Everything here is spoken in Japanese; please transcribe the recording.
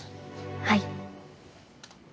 はい。